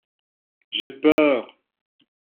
J'ai peur.